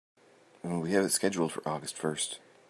We have it scheduled for August first.